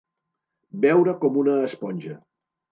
Beure com una esponja.